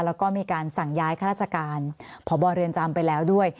แล้วก็มีการสั่งย้ายข้าราชการพบเรือนจำไปแล้วด้วย